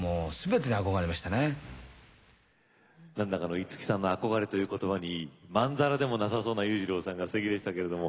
五木さんの憧れという言葉にまんざらでもなさそうな裕次郎さんがすてきでしたけれども。